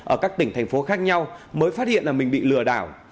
ở các tỉnh thành phố khác nhau mới phát hiện là mình bị lừa đảo